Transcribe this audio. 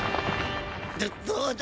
どどうだ！